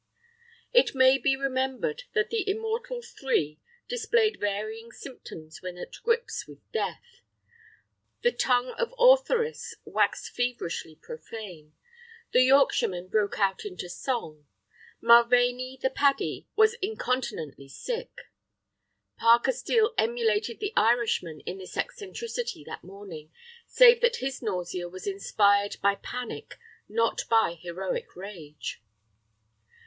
It may be remembered that the Immortal Three displayed varying symptoms when at grips with death. The tongue of Ortheris waxed feverishly profane; the Yorkshireman broke out into song; Mulvaney, the Paddy, was incontinently sick. Parker Steel emulated the Irishman in this eccentricity that morning, save that his nausea was inspired by panic, and not by heroic rage.